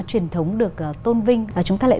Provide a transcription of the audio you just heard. truyền thống được tôn vinh chúng ta lại